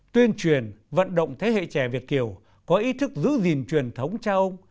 tuyên truyền vận động thế hệ trẻ việt kiều có ý thức giữ gìn truyền thống cha ông